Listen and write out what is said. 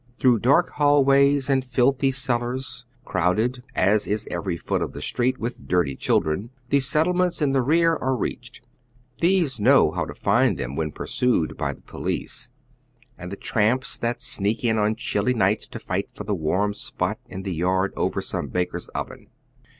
Through dark hallways and filthy cellars, crowded, as is every foot of the street, with dirty children, the settlements in the rear are reached. Thieves know how to find them when pursued by tlie police, and the tramps that sneak in on chilly nights to fight for the warm spot in the yard over some baker's oven.